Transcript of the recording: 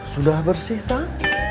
sudah bersih tak